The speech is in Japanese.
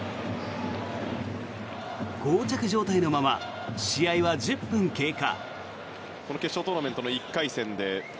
こう着状態のまま試合は１０分経過。